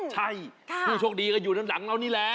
ใช่ผู้โชคดีก็อยู่ด้านหลังเรานี่แหละ